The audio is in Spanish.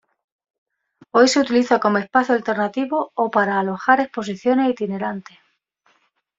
Hoy se utiliza como espacio alternativo o para alojar exposiciones itinerantes.